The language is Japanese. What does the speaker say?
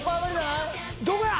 どこや？